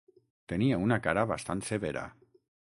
Tenia una cara bastant severa.